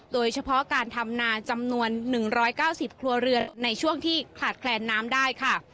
โดยเฉพาะการทำนาจำนวน๑๙๐ครัวเรือนในช่วงที่ขาดแคลนน้ำได้ค่ะ